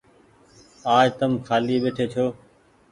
آج تم کآلي ٻيٺي ڇو۔